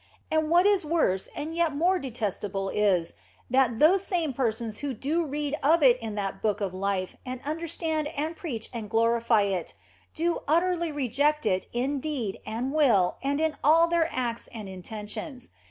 And what is worse and yet more detestable is, that those same persons who do read of it in that Book of Life and understand and preach and glorify it, do utterly reject it in deed and will and in all their acts and intentions.